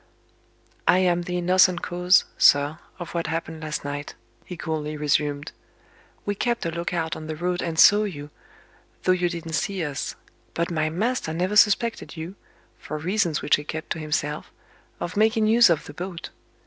"I am the innocent cause, sir, of what happened last night," he coolly resumed. "We kept a look out on the road and saw you, though you didn't see us. But my master never suspected you (for reasons which he kept to himself) of making use of the boat.